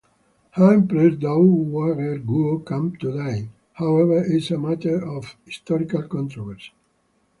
How Empress Dowager Guo came to die, however, is a matter of historical controversy.